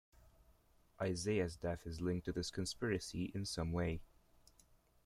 Isaiah's death is linked to this conspiracy in some way.